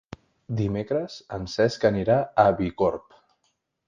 Dimecres en Cesc anirà a Bicorb.